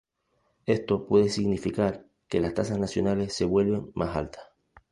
Esto puede significar que las tasas nacionales se vuelven más altas.